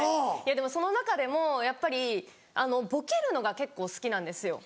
その中でもやっぱりボケるのが結構好きなんですよ